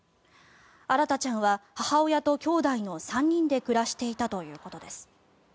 新大ちゃんは母親と兄弟の３人で暮らしていたということです。